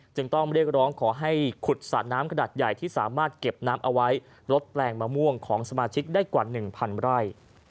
จึงต้องเรียกร้องขอให้ขุดสระน้ำขนาดใหญ่ที่สามารถเก็บน้ำเอาไว้ลดแปลงมะม่วงของสมาชิกได้กว่า๑๐๐ไร่